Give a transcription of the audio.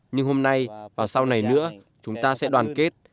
nhưng hôm nay và sau này nữa chúng ta sẽ đoàn kết